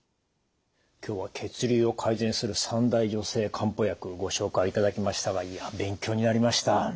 今日は血流を改善する三大女性漢方薬ご紹介いただきましたがいや勉強になりました。